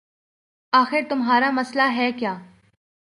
آخر تمہارا مسئلہ ہے کیا